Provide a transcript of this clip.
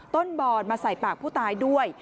บอลมาใส่ปากผู้ตายด้วย